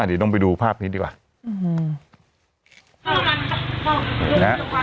เดี๋ยวต้องไปดูภาพนี้ดีกว่า